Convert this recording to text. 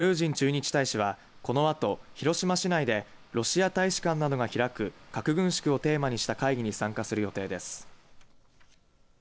ガルージン駐日大使は、このあと広島市内でロシア大使館などが開く核軍縮をテーマにした会議に参加する予定です。